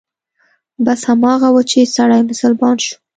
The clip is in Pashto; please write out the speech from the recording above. بس هماغه و چې سړى مسلمان شو.